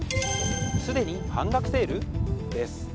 すでに半額セール！？です。